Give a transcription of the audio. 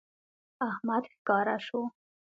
احمد ښکاره شو